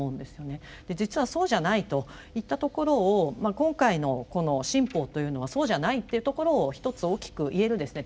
実はそうじゃないといったところを今回のこの新法というのはそうじゃないっていうところをひとつ大きく言えるですね